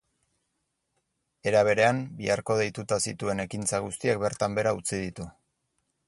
Era berean, biharko deituta zituen ekintza guztiak bertan behera utzi ditu.